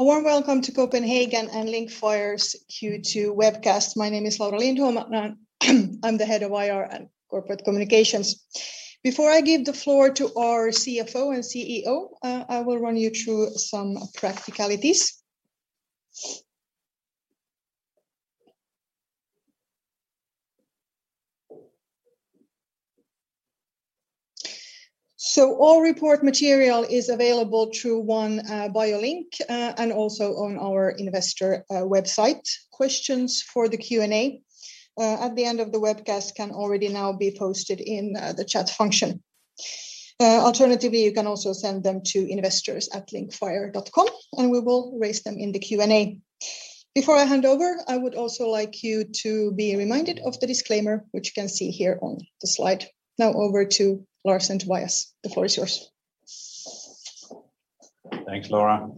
A warm Welcome to Copenhagen and Linkfire's Q2 webcast. My name is Laura Lindholm, and I'm the Head of IR and Corporate Communications. Before I give the floor to our CFO and CEO, I will run you through some practicalities. All report material is available through one bio link and also on our investor website. Questions for the Q&A at the end of the webcast can already now be posted in the chat function. Alternatively, you can also send them to investors@linkfire.com, and we will raise them in the Q&A. Before I hand over, I would also like you to be reminded of the disclaimer, which you can see here on the slide. Now over to Lars and Tobias. The floor is yours. Thanks, Laura.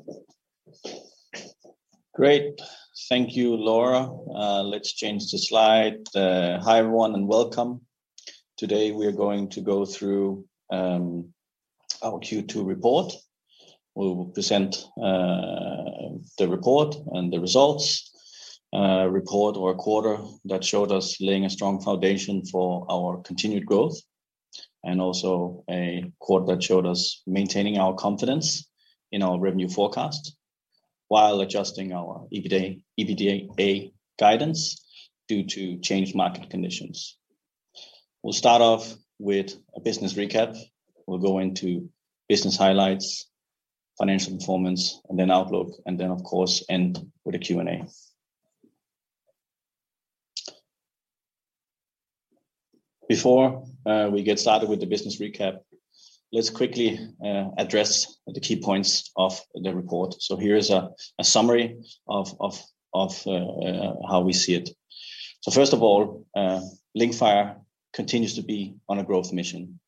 Great. Thank you, Laura. Let's change the slide. Hi, everyone, and welcome. Today, we are going to go through our Q2 report. We will present the report and the results. A report or a quarter that showed us laying a strong foundation for our continued growth, and also a quarter that showed us maintaining our confidence in our revenue forecast while adjusting our EBITDA guidance due to changed market conditions. We'll start off with a business recap. We'll go into business highlights, financial performance, and then outlook, and then of course, end with a Q&A. Before we get started with the business recap, let's quickly address the key points of the report. Here is a summary of how we see it. First of all, Linkfire continues to be on a growth mission.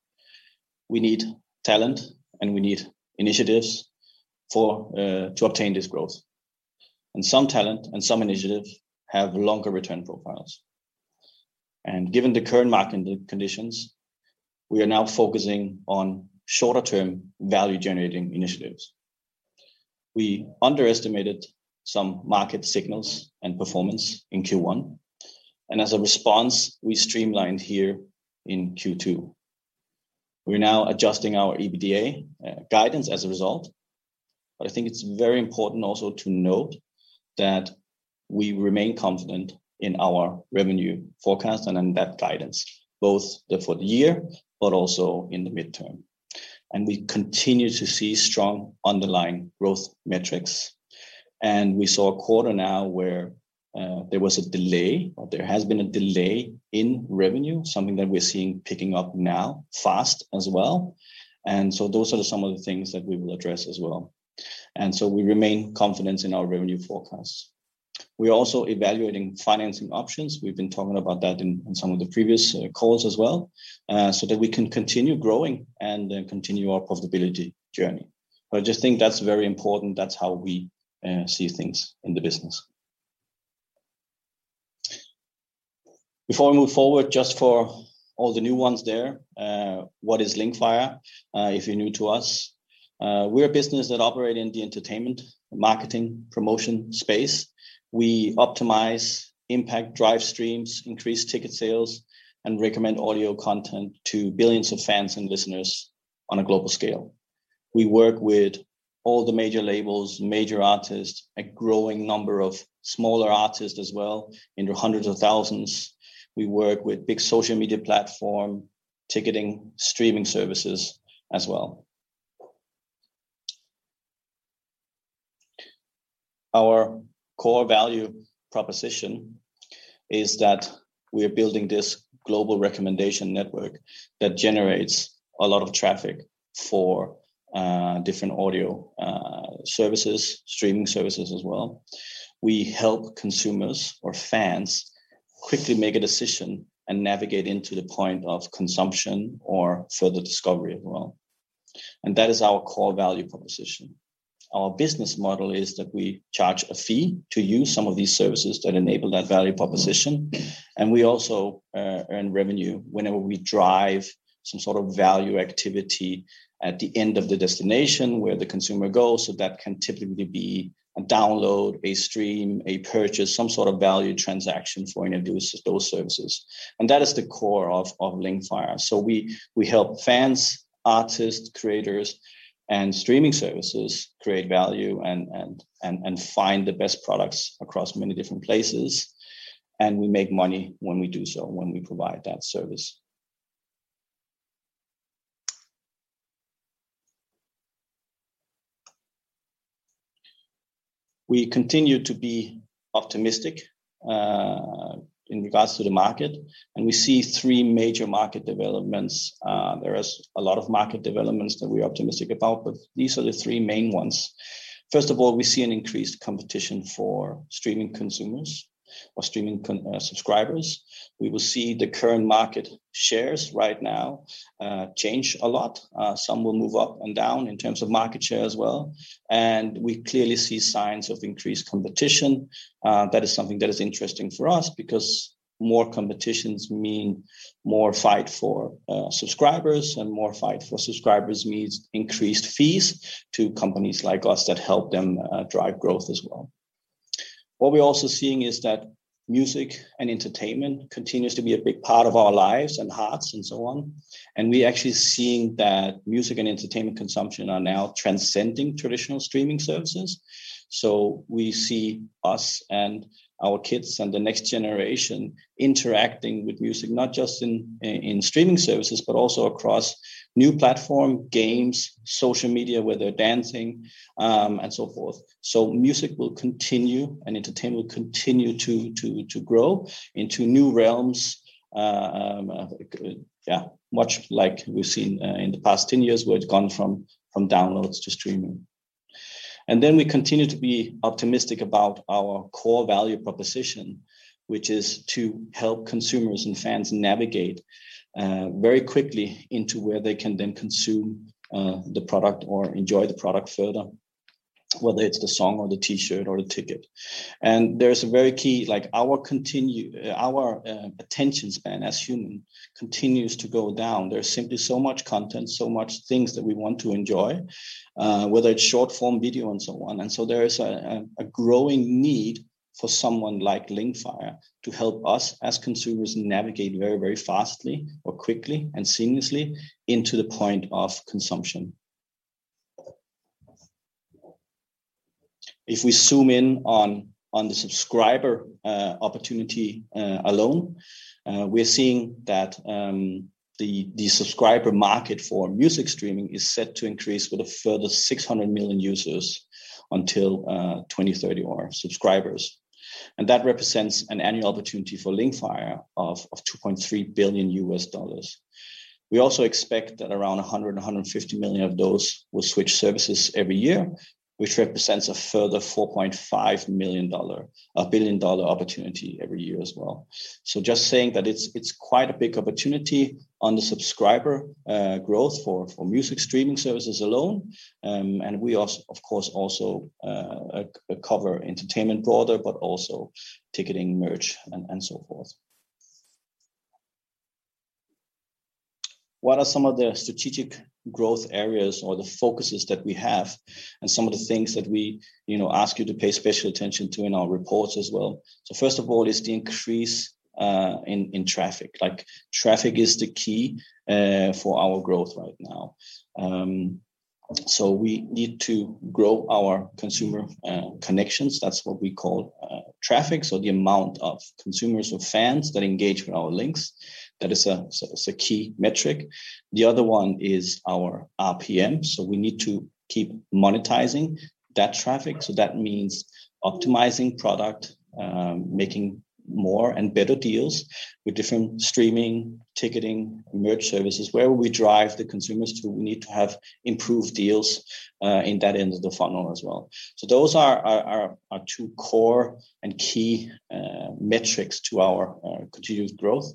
We need talent, and we need initiatives for to obtain this growth. Some talent and some initiatives have longer return profiles. Given the current market conditions, we are now focusing on shorter-term value-generating initiatives. We underestimated some market signals and performance in Q1, and as a response, we streamlined here in Q2. We're now adjusting our EBITDA guidance as a result. I think it's very important also to note that we remain confident in our revenue forecast and in that guidance, both for the year, but also in the midterm. We continue to see strong underlying growth metrics. We saw a quarter now where there was a delay, or there has been a delay in revenue, something that we're seeing picking up now fast as well. Those are some of the things that we will address as well. We remain confident in our revenue forecasts. We're also evaluating financing options. We've been talking about that in some of the previous calls as well, so that we can continue growing and then continue our profitability journey. I just think that's very important. That's how we see things in the business. Before I move forward, just for all the new ones there, what is Linkfire? If you're new to us, we're a business that operate in the entertainment, marketing, promotion space. We optimize impact drive streams, increase ticket sales, and recommend audio content to billions of fans and listeners on a global scale. We work with all the major labels, major artists, a growing number of smaller artists as well, into hundreds of thousands. We work with big social media platform, ticketing, streaming services as well. Our core value proposition is that we are building this global recommendation network that generates a lot of traffic for different audio services, streaming services as well. We help consumers or fans quickly make a decision and navigate into the point of consumption or further discovery as well. That is our core value proposition. Our business model is that we charge a fee to use some of these services that enable that value proposition. We also earn revenue whenever we drive some sort of value activity at the end of the destination where the consumer goes. That can typically be a download, a stream, a purchase, some sort of value transaction for introducing those services. That is the core of Linkfire. We help fans, artists, creators, and streaming services create value and find the best products across many different places. We make money when we do so, when we provide that service. We continue to be optimistic in regards to the market, and we see three major market developments. There is a lot of market developments that we're optimistic about, but these are the three main ones. First of all, we see an increased competition for streaming consumers or streaming subscribers. We will see the current market shares right now change a lot. Some will move up and down in terms of market share as well. We clearly see signs of increased competition. That is something that is interesting for us because more competitions mean more fight for subscribers, and more fight for subscribers means increased fees to companies like us that help them drive growth as well. What we're also seeing is that music and entertainment continues to be a big part of our lives and hearts and so on. We actually seeing that music and entertainment consumption are now transcending traditional streaming services. We see us and our kids and the next generation interacting with music, not just in streaming services, but also across new platform, games, social media, where they're dancing and so forth. Music will continue and entertainment will continue to grow into new realms. Yeah, much like we've seen in the past 10 years, where it's gone from downloads to streaming. We continue to be optimistic about our core value proposition, which is to help consumers and fans navigate very quickly into where they can then consume the product or enjoy the product further, whether it's the song or the T-shirt or the ticket. There's a very key like our attention span as human continues to go down. There's simply so much content, so much things that we want to enjoy, whether it's short form video and so on. There is a growing need for someone like Linkfire to help us as consumers navigate very, very fastly or quickly and seamlessly into the point of consumption. If we zoom in on the subscriber opportunity alone, we're seeing that the subscriber market for music streaming is set to increase with a further 600 million users until 2030 subscribers. That represents an annual opportunity for Linkfire of $2.3 billion. We also expect that around 150 million of those will switch services every year, which represents a further $4.5 billion opportunity every year as well. Just saying that it's quite a big opportunity on the subscriber growth for music streaming services alone. We also of course cover broader entertainment, but also ticketing, merch and so forth. What are some of the strategic growth areas or the focuses that we have and some of the things that we, you know, ask you to pay special attention to in our reports as well? First of all is the increase in traffic. Like traffic is the key for our growth right now. We need to grow our consumer connections. That's what we call traffic. The amount of consumers or fans that engage with our links, that is a key metric. The other one is our RPM. We need to keep monetizing that traffic. That means optimizing product, making more and better deals with different streaming, ticketing, merch services. Where we drive the consumers to, we need to have improved deals in that end of the funnel as well. Those are two core and key metrics to our continuous growth.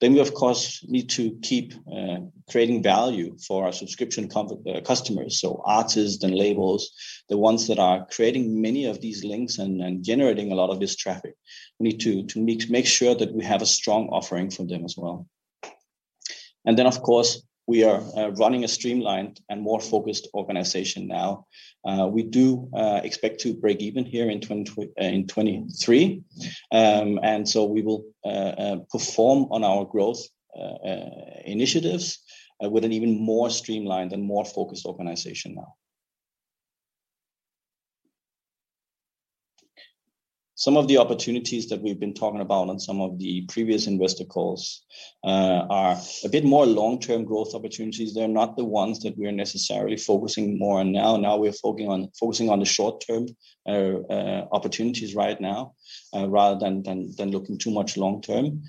We of course need to keep creating value for our subscription customers, so artists and labels, the ones that are creating many of these links and generating a lot of this traffic. We need to make sure that we have a strong offering for them as well. We of course are running a streamlined and more focused organization now. We do expect to break even here in 2023. We will perform on our growth initiatives with an even more streamlined and more focused organization now. Some of the opportunities that we've been talking about on some of the previous investor calls are a bit more long-term growth opportunities. They're not the ones that we are necessarily focusing more on now. Now we're focusing on the short term opportunities right now, rather than looking too much long term.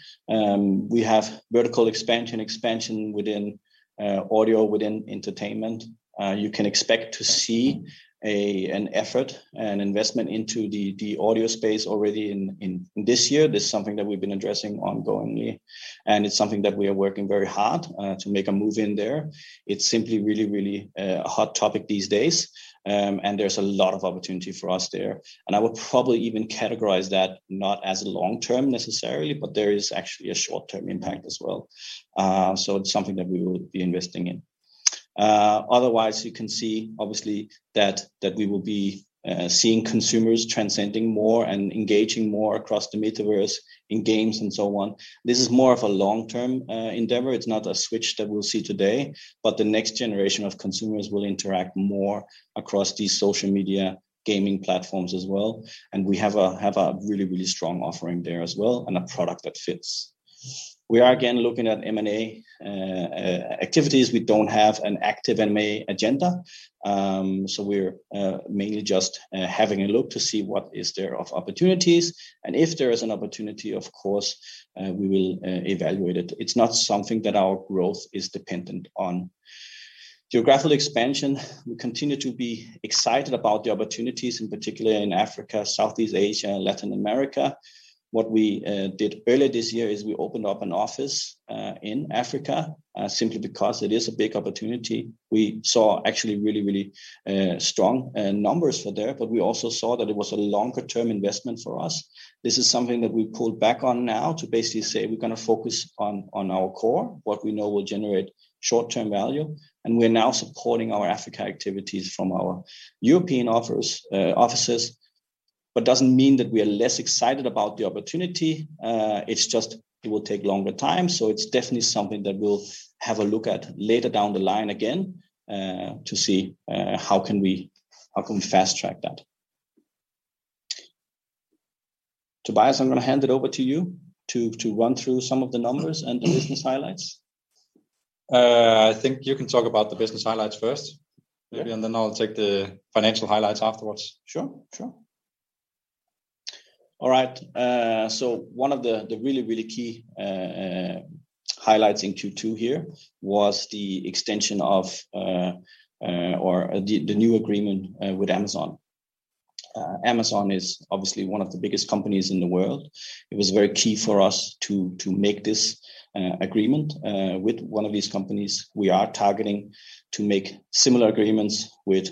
We have vertical expansion within audio within entertainment. You can expect to see an effort and investment into the audio space already in this year. This is something that we've been addressing ongoingly, and it's something that we are working very hard to make a move in there. It's simply really a hot topic these days. There's a lot of opportunity for us there, and I would probably even categorize that not as a long term necessarily, but there is actually a short term impact as well. It's something that we will be investing in. Otherwise you can see obviously that we will be seeing consumers transcending more and engaging more across the metaverse in games and so on. This is more of a long term endeavor. It's not a switch that we'll see today, but the next generation of consumers will interact more across these social media gaming platforms as well. We have a really strong offering there as well, and a product that fits. We are again looking at M&A activities. We don't have an active M&A agenda. We're mainly just having a look to see what is there of opportunities and if there is an opportunity, of course, we will evaluate it. It's not something that our growth is dependent on. Geographical expansion. We continue to be excited about the opportunities in particular in Africa, Southeast Asia and Latin America. What we did earlier this year is we opened up an office in Africa simply because it is a big opportunity. We saw actually really strong numbers for there. We also saw that it was a longer term investment for us. This is something that we pulled back on now to basically say we're going to focus on our core. What we know will generate short term value, and we're now supporting our Africa activities from our European offices. Doesn't mean that we are less excited about the opportunity, it's just it will take longer time. It's definitely something that we'll have a look at later down the line again, to see how we can fast-track that. Tobias, I'm going to hand it over to you to run through some of the numbers and the business highlights. I think you can talk about the business highlights first. Yeah. I'll take the financial highlights afterwards. Sure. Sure. All right. One of the really key highlights in Q2 here was the new agreement with Amazon. Amazon is obviously one of the biggest companies in the world. It was very key for us to make this agreement with one of these companies. We are targeting to make similar agreements with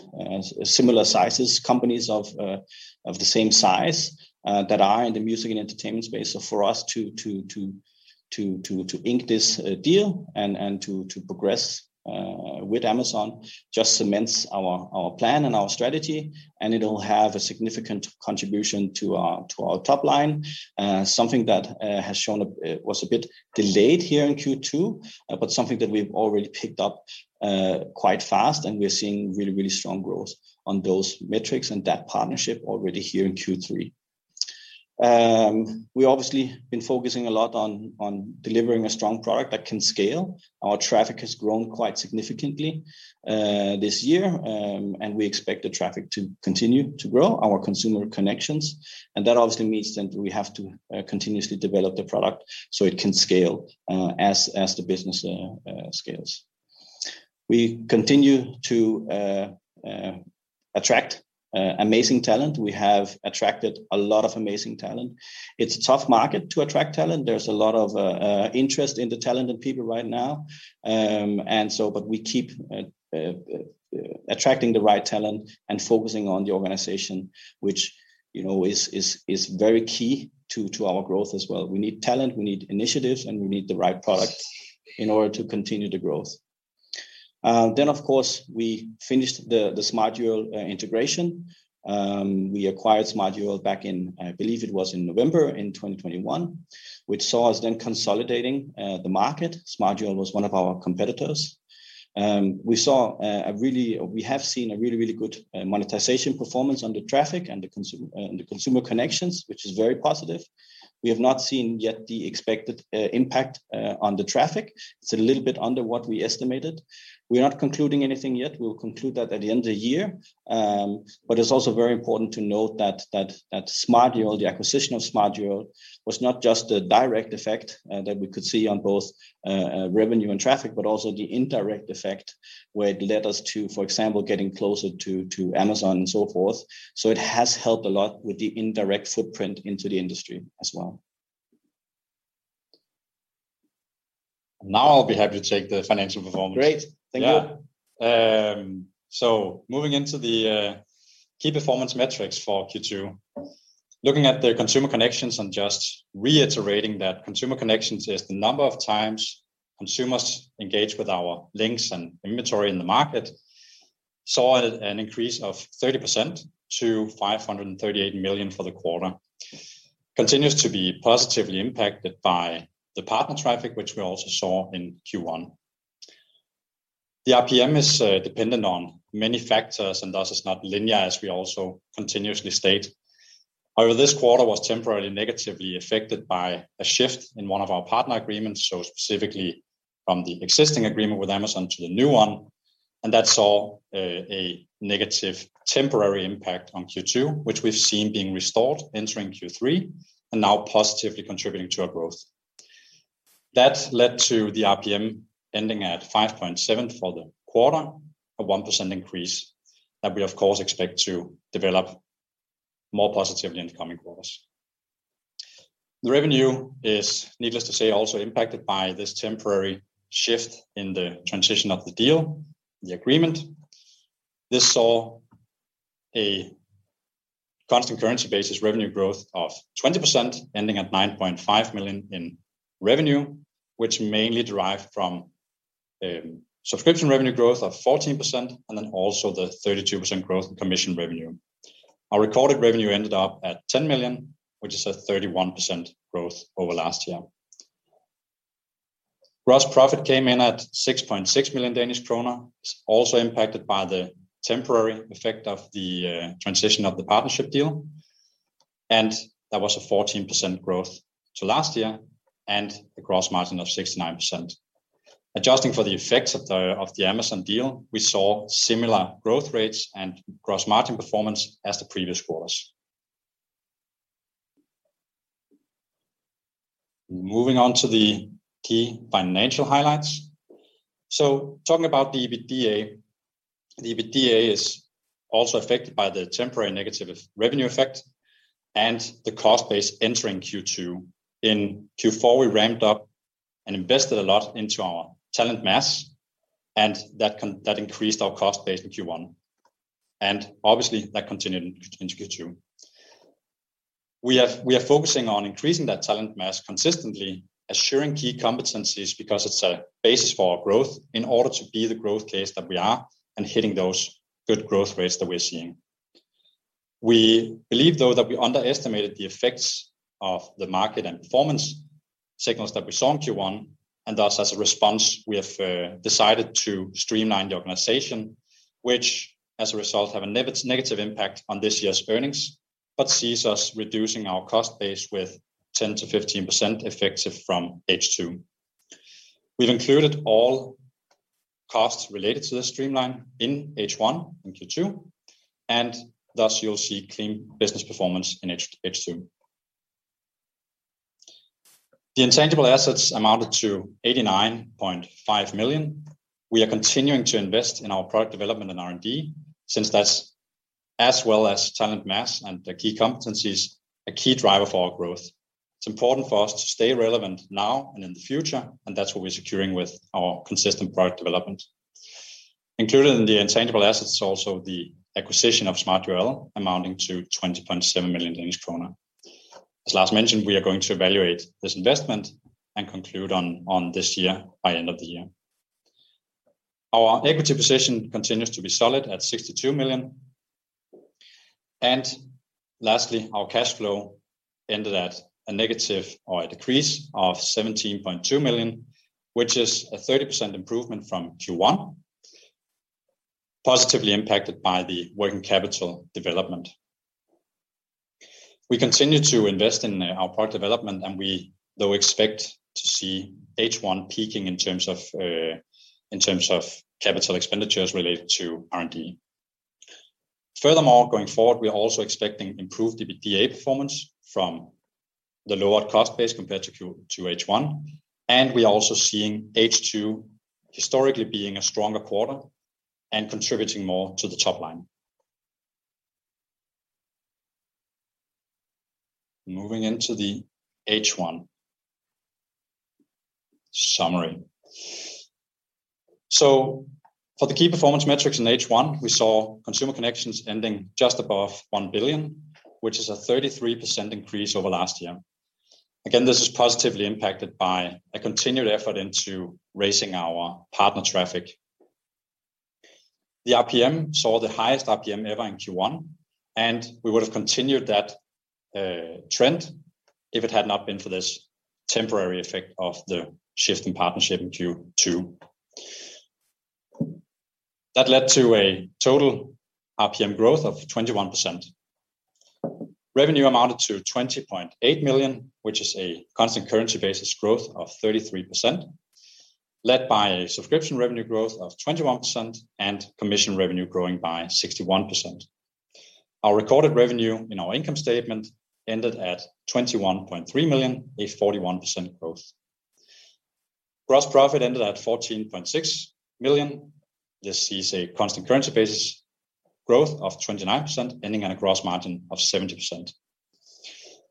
similar-sized companies of the same size that are in the music and entertainment space. For us to ink this deal and to progress with Amazon just cements our plan and our strategy, and it'll have a significant contribution to our top line. Something that was a bit delayed here in Q2, but something that we've already picked up quite fast and we're seeing really strong growth on those metrics and that partnership already here in Q3. We obviously been focusing a lot on delivering a strong product that can scale. Our traffic has grown quite significantly this year, and we expect the traffic to continue to grow our consumer connections. That obviously means then we have to continuously develop the product so it can scale as the business scales. We continue to attract amazing talent. We have attracted a lot of amazing talent. It's a tough market to attract talent. There's a lot of interest in the talented people right now. We keep attracting the right talent and focusing on the organization, which, you know, is very key to our growth as well. We need talent, we need initiatives, and we need the right product in order to continue the growth. We finished the smartURL integration. We acquired smartURL back in, I believe it was in November in 2021, which saw us consolidating the market. smartURL was one of our competitors. We have seen a really, really good monetization performance on the traffic and the consumer connections, which is very positive. We have not seen yet the expected impact on the traffic. It's a little bit under what we estimated. We're not concluding anything yet. We'll conclude that at the end of the year. It's also very important to note that smartURL, the acquisition of smartURL was not just a direct effect that we could see on both revenue and traffic, but also the indirect effect where it led us to, for example, getting closer to Amazon and so forth. It has helped a lot with the indirect footprint into the industry as well. Now I'll be happy to take the financial performance. Great. Thank you. Yeah. Moving into the key performance metrics for Q2. Looking at the consumer connections and just reiterating that consumer connections is the number of times consumers engage with our links and inventory in the market, saw an increase of 30% to 538 million for the quarter. Continues to be positively impacted by the partner traffic, which we also saw in Q1. The RPM is dependent on many factors and thus is not linear, as we also continuously state. However, this quarter was temporarily negatively affected by a shift in one of our partner agreements, so specifically from the existing agreement with Amazon to the new one. That saw a negative temporary impact on Q2, which we've seen being restored entering Q3 and now positively contributing to our growth. That led to the RPM ending at 5.7 for the quarter, a 1% increase that we of course expect to develop more positively in the coming quarters. The revenue is, needless to say, also impacted by this temporary shift in the transition of the deal, the agreement. This saw a constant currency basis revenue growth of 20%, ending at 9.5 million in revenue, which mainly derived from subscription revenue growth of 14%, and then also the 32% growth in commission revenue. Our recorded revenue ended up at 10 million, which is a 31% growth over last year. Gross profit came in at 6.6 million Danish kroner. It's also impacted by the temporary effect of the transition of the partnership deal, and that was a 14% growth to last year and a gross margin of 69%. Adjusting for the effects of the Amazon deal, we saw similar growth rates and gross margin performance as the previous quarters. Moving on to the key financial highlights. Talking about the EBITDA. The EBITDA is also affected by the temporary negative revenue effect and the cost base entering Q2. In Q4, we ramped up and invested a lot into our talent base, and that increased our cost base in Q1, and obviously that continued into Q2. We are focusing on increasing that talent base consistently, assuring key competencies because it's a basis for our growth in order to be the growth case that we are and hitting those good growth rates that we're seeing. We believe, though, that we underestimated the effects of the market and performance signals that we saw in Q1, and thus, as a response, we have decided to streamline the organization, which as a result have a negative impact on this year's earnings, but sees us reducing our cost base with 10%-15% effective from H2. We've included all costs related to the streamline in H1, in Q2, and thus you'll see clean business performance in H2. The intangible assets amounted to 89.5 million. We are continuing to invest in our product development and R&D since that's as well as talent base and the key competencies, a key driver for our growth. It's important for us to stay relevant now and in the future, and that's what we're securing with our consistent product development. Included in the intangible assets is also the acquisition of smartURL, amounting to 20.7 million Danish kroner. As Lars mentioned, we are going to evaluate this investment and conclude on this year by end of the year. Our equity position continues to be solid at 62 million. Lastly, our cash flow ended at a negative or a decrease of 17.2 million, which is a 30% improvement from Q1, positively impacted by the working capital development. We continue to invest in our product development, and we do expect to see H1 peaking in terms of capital expenditures related to R&D. Furthermore, going forward, we are also expecting improved EBITDA performance from the lower cost base compared to H1. We are also seeing H2 historically being a stronger quarter and contributing more to the top line. Moving into the H1 summary. For the key performance metrics in H1, we saw consumer connections ending just above 1 billion, which is a 33% increase over last year. Again, this is positively impacted by a continued effort into raising our partner traffic. The RPM saw the highest RPM ever in Q1, and we would have continued that, trend if it had not been for this temporary effect of the shift in partnership in Q2. That led to a total RPM growth of 21%. Revenue amounted to 20.8 million, which is a constant currency basis growth of 33%, led by a subscription revenue growth of 21% and commission revenue growing by 61%. Our recorded revenue in our income statement ended at 21.3 million, a 41% growth. Gross profit ended at 14.6 million. This sees a constant currency basis growth of 29%, ending at a gross margin of 70%.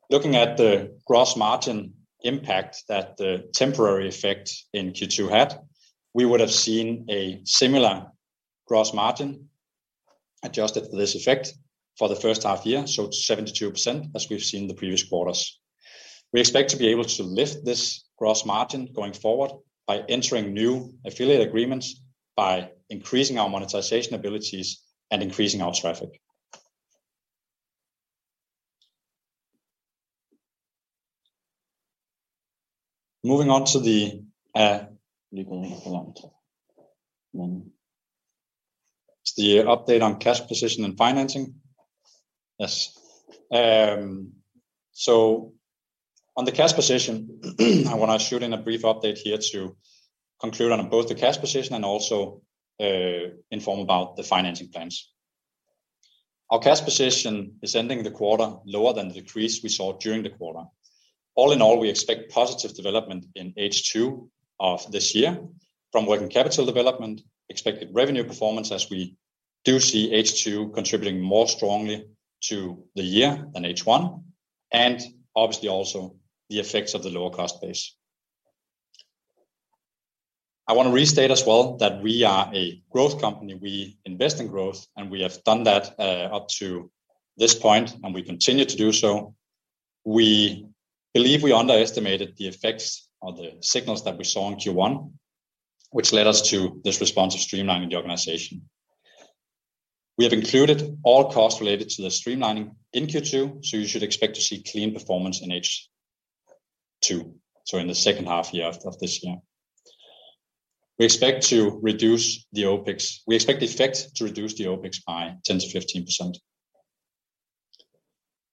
Looking at the gross margin impact that the temporary effect in Q2 had, we would have seen a similar gross margin adjusted for this effect for the first half year, so 72%, as we've seen in the previous quarters. We expect to be able to lift this gross margin going forward by entering new affiliate agreements, by increasing our monetization abilities and increasing our traffic. Moving on to the update on cash position and financing. On the cash position, I want to shoehorn in a brief update here to conclude on both the cash position and also, inform about the financing plans. Our cash position is ending the quarter lower than the decrease we saw during the quarter. All in all, we expect positive development in H2 of this year from working capital development, expected revenue performance as we do see H2 contributing more strongly to the year than H1, and obviously also the effects of the lower cost base. I want to restate as well that we are a growth company. We invest in growth, and we have done that up to this point, and we continue to do so. We believe we underestimated the effects of the signals that we saw in Q1, which led us to this responsive streamlining the organization. We have included all costs related to the streamlining in Q2, so you should expect to see clean performance in H2, so in the second half year of this year. We expect to reduce the OpEx. We expect the effect to reduce the OpEx by 10%-15%.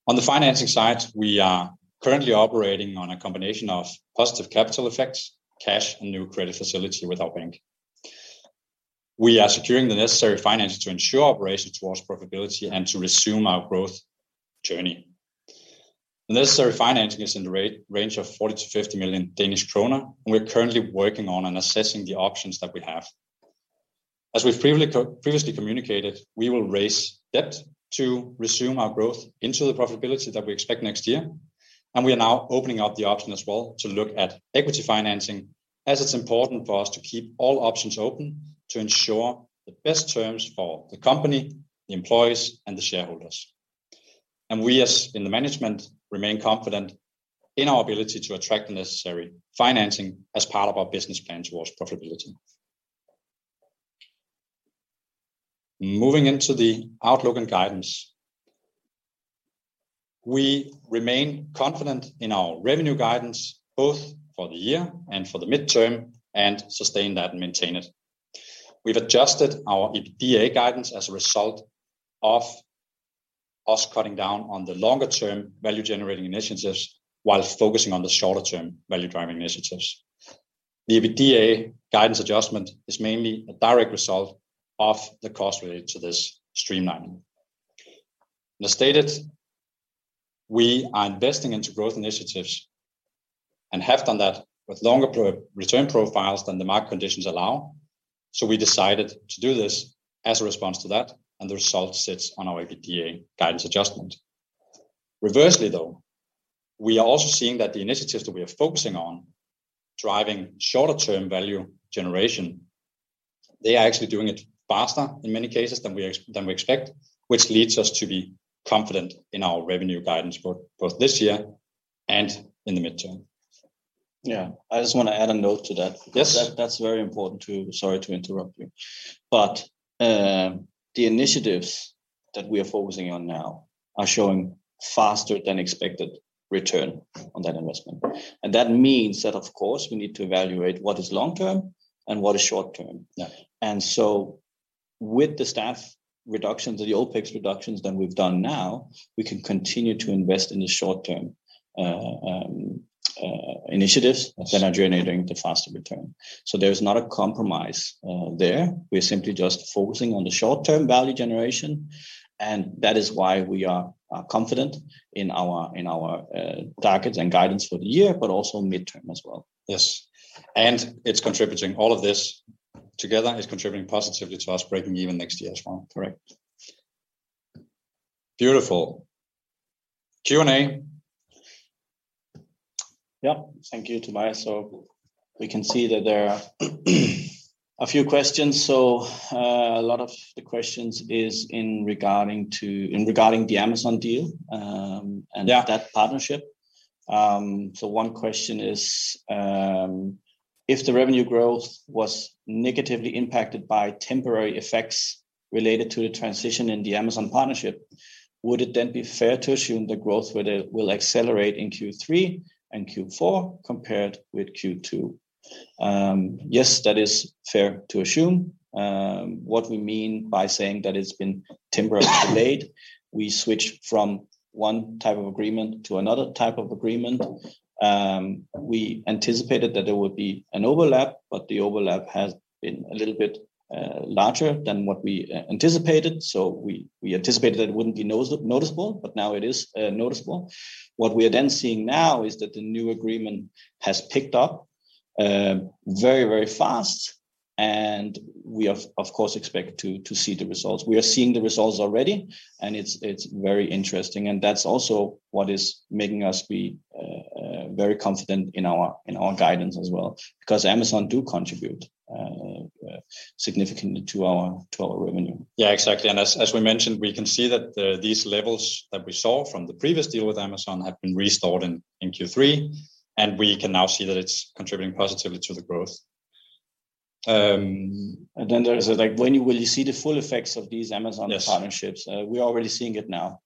On the financing side, we are currently operating on a combination of positive capital effects, cash and new credit facility with our bank. We are securing the necessary finances to ensure operations towards profitability and to resume our growth journey. Necessary financing is in the range of 40 million-50 million Danish kroner, and we're currently working on and assessing the options that we have. As we've previously communicated, we will raise debt to resume our growth into the profitability that we expect next year. We are now opening up the option as well to look at equity financing, as it's important for us to keep all options open to ensure the best terms for the company, the employees, and the shareholders. We as in the management remain confident in our ability to attract the necessary financing as part of our business plan towards profitability. Moving into the outlook and guidance. We remain confident in our revenue guidance, both for the year and for the midterm, and sustain that and maintain it. We've adjusted our EBITDA guidance as a result of us cutting down on the longer term value-generating initiatives, while focusing on the shorter term value-driving initiatives. The EBITDA guidance adjustment is mainly a direct result of the cost related to this streamlining. As stated, we are investing into growth initiatives and have done that with longer return profiles than the market conditions allow. We decided to do this as a response to that, and the result sits on our EBITDA guidance adjustment. Conversely, though, we are also seeing that the initiatives that we are focusing on driving short-term value generation, they are actually doing it faster in many cases than we expect, which leads us to be confident in our revenue guidance both this year and in the midterm. Yeah. I just want to add a note to that. Yes. Because that's very important too. Sorry to interrupt you. The initiatives that we are focusing on now are showing faster than expected return on that investment. That means that of course we need to evaluate what is long term and what is short term. Yeah. With the staff reductions or the OpEx reductions that we've done now, we can continue to invest in the short term initiatives. Yes That are generating the faster return. There's not a compromise there. We're simply just focusing on the short-term value generation, and that is why we are confident in our targets and guidance for the year, but also midterm as well. Yes. All of this together is contributing positively to us breaking even next year as well. Correct. Beautiful. Q&A. Yeah. Thank you, Tobias. We can see that there are a few questions. A lot of the questions is in regarding to the Amazon deal. Yeah That partnership. One question is, if the revenue growth was negatively impacted by temporary effects related to the transition in the Amazon partnership, would it then be fair to assume the growth will accelerate in Q3 and Q4 compared with Q2? Yes, that is fair to assume. What we mean by saying that it's been temporarily delayed, we switched from one type of agreement to another type of agreement. We anticipated that there would be an overlap, but the overlap has been a little bit larger than what we anticipated. We anticipated that it wouldn't be noticeable, but now it is noticeable. What we are then seeing now is that the new agreement has picked up very, very fast, and we of course expect to see the results. We are seeing the results already, and it's very interesting. That's also what is making us be very confident in our guidance as well, because Amazon do contribute significantly to our revenue. Yeah, exactly. As we mentioned, we can see that these levels that we saw from the previous deal with Amazon have been restored in Q3, and we can now see that it's contributing positively to the growth. There is like when will you see the full effects of these Amazon- Yes ..partnerships? We're already seeing it now.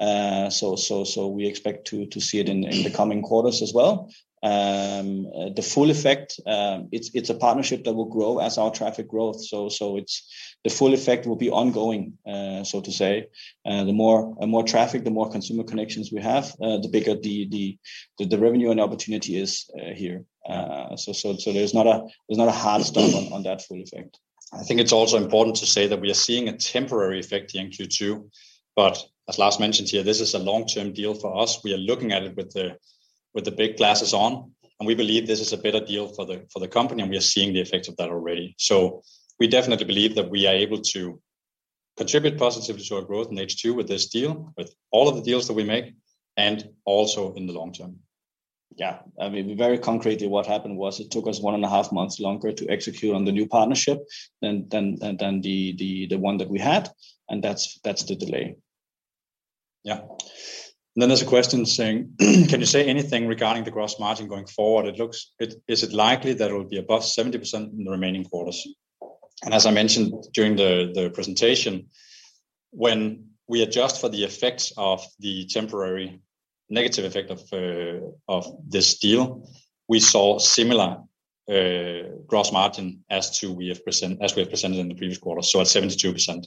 We expect to see it in the coming quarters as well. The full effect, it's a partnership that will grow as our traffic grows. It's the full effect will be ongoing, so to say. The more traffic, the more consumer connections we have, the bigger the revenue and opportunity is, here. There's not a hard stop on that full effect. I think it's also important to say that we are seeing a temporary effect here in Q2, but as Lars mentioned here, this is a long-term deal for us. We are looking at it with the big glasses on, and we believe this is a better deal for the company, and we are seeing the effects of that already. We definitely believe that we are able to contribute positively to our growth in H2 with this deal, with all of the deals that we make, and also in the long term. Yeah. I mean, very concretely, what happened was it took us one and a half months longer to execute on the new partnership than the one that we had. That's the delay. Yeah. Then there's a question saying, "Can you say anything regarding the gross margin going forward? It looks. Is it likely that it will be above 70% in the remaining quarters?" As I mentioned during the presentation, when we adjust for the effects of the temporary negative effect of this deal, we saw similar gross margin as we have presented in the previous quarter, so at 72%.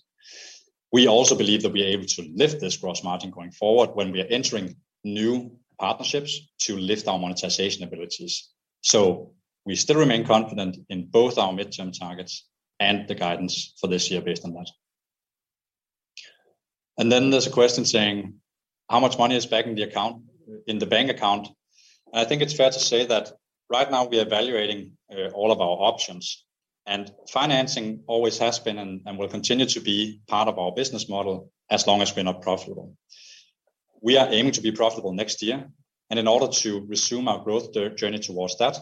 We also believe that we are able to lift this gross margin going forward when we are entering new partnerships to lift our monetization abilities. We still remain confident in both our midterm targets and the guidance for this year based on that. There's a question saying, "How much money is back in the account, in the bank account?" I think it's fair to say that right now we are evaluating all of our options, and financing always has been and will continue to be part of our business model as long as we're not profitable. We are aiming to be profitable next year, and in order to resume our growth journey towards that,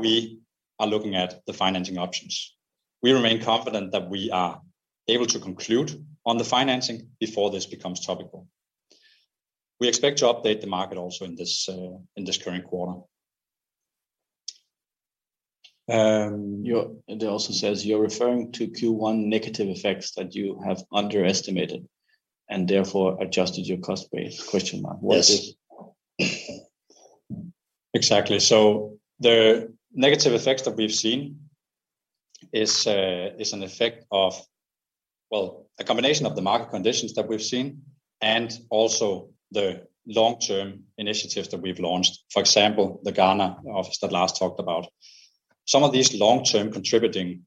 we are looking at the financing options. We remain confident that we are able to conclude on the financing before this becomes topical. We expect to update the market also in this current quarter. It also says you're referring to Q1 negative effects that you have underestimated and therefore adjusted your cost base? Yes. Exactly. The negative effects that we've seen is an effect of a combination of the market conditions that we've seen and also the long-term initiatives that we've launched. For example, the Ghana office that Lars talked about. Some of these long-term contributing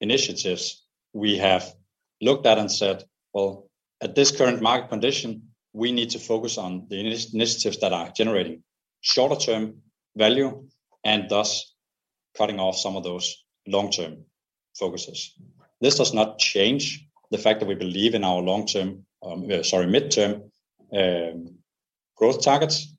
initiatives we have looked at and said, "Well, at this current market condition, we need to focus on the initiatives that are generating shorter term value, and thus cutting off some of those long-term focuses." This does not change the fact that we believe in our long-term, mid-term, growth targets,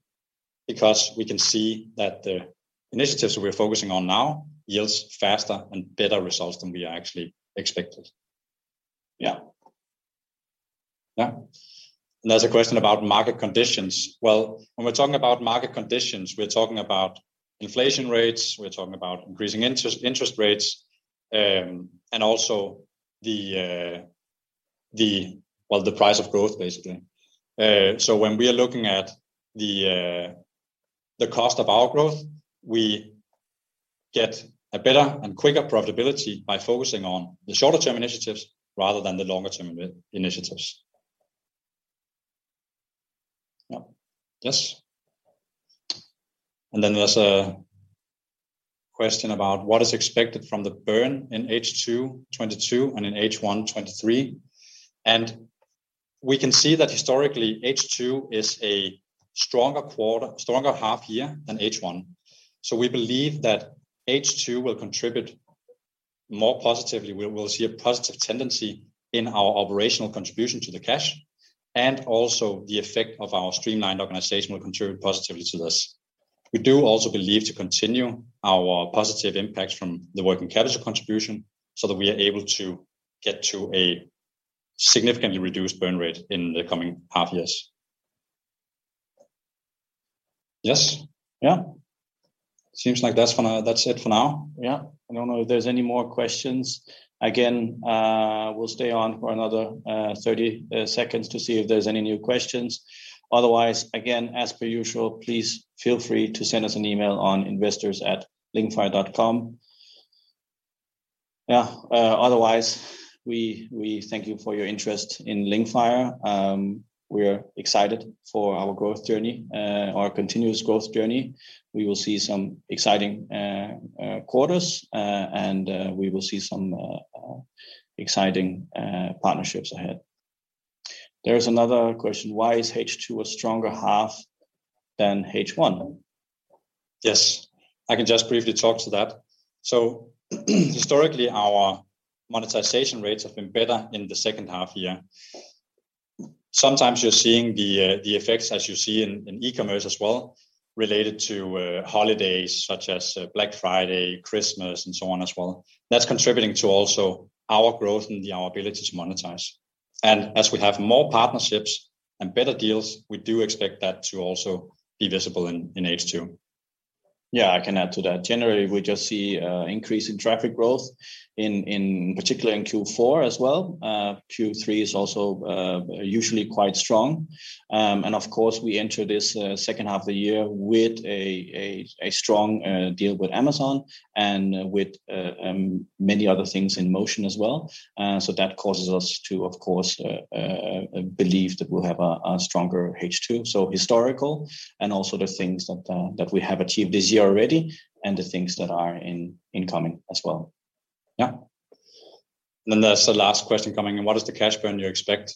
because we can see that the initiatives we're focusing on now yields faster and better results than we actually expected. Yeah. Yeah. There's a question about market conditions. Well, when we're talking about market conditions, we're talking about inflation rates, we're talking about increasing interest rates, and also the price of growth, basically. When we are looking at the cost of our growth, we get a better and quicker profitability by focusing on the shorter term initiatives rather than the longer term initiatives. Yes. There's a question about what is expected from the burn in H2 2022 and in H1 2023. We can see that historically, H2 is a stronger quarter, stronger half year than H1. We believe that H2 will contribute more positively. We will see a positive tendency in our operational contribution to the cash, and also the effect of our streamlined organization will contribute positively to this. We do also believe to continue our positive impacts from the working capital contribution, so that we are able to get to a significantly reduced burn rate in the coming half years. Yes. Yeah. Seems like that's for now, that's it for now. Yeah. I don't know if there's any more questions. Again, we'll stay on for another 30 seconds to see if there's any new questions. Otherwise, again, as per usual, please feel free to send us an email on investors@linkfire.com. Yeah. Otherwise, we thank you for your interest in Linkfire. We are excited for our growth journey, our continuous growth journey. We will see some exciting quarters, and we will see some exciting partnerships ahead. There's another question. Why is H2 a stronger half than H1? Yes, I can just briefly talk to that. Historically, our monetization rates have been better in the second half year. Sometimes you're seeing the effects as you see in e-commerce as well, related to holidays such as Black Friday, Christmas, and so on as well. That's contributing to also our growth and our ability to monetize. As we have more partnerships and better deals, we do expect that to also be visible in H2. Yeah, I can add to that. Generally, we just see increase in traffic growth in particular in Q4 as well. Q3 is also usually quite strong. Of course, we enter this second half of the year with a strong deal with Amazon and with many other things in motion as well. That causes us to, of course, believe that we'll have a stronger H2. Historical and also the things that we have achieved this year already and the things that are incoming as well. Yeah. There's the last question coming in. What is the cash burn you expect?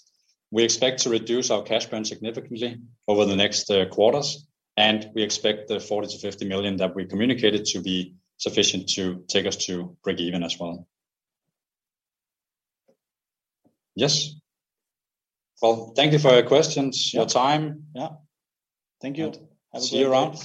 We expect to reduce our cash burn significantly over the next quarters, and we expect the 40 million-50 million that we communicated to be sufficient to take us to break even as well. Yes. Well, thank you for your questions, your time. Yeah. Thank you. See you around.